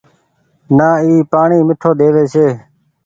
نآ اي پآڻيٚ ميٺو ۮيوي ڇي ۔